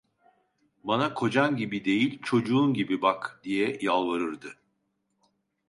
"Bana kocan gibi değil, çocuğun gibi bak!" diye yalvarırdı.